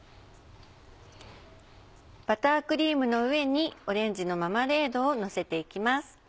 バタークリームの上にオレンジのママレードをのせていきます。